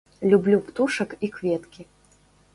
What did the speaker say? Люблю птушак і кветкі.